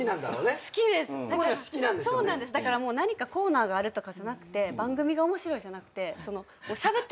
だからもう何かコーナーがあるとかじゃなくて番組が面白いじゃなくて。